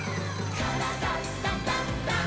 「からだダンダンダン」